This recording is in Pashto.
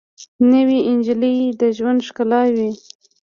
نوې نجلۍ د ژوند ښکلا وي